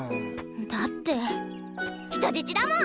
だって人質だもん！